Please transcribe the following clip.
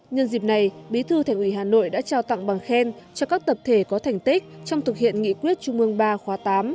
nhân dịp này bí thư thành ủy hà nội đã trao tặng bằng khen cho các tập thể có thành tích trong thực hiện nghị quyết trung mương ba khóa tám